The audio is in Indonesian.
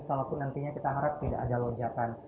kalaupun nantinya kita harap tidak ada lonjakan